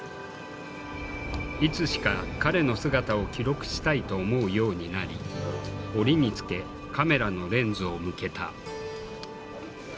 いつしか彼の姿を記録したいと思うようになり折につけカメラのレンズを向けた。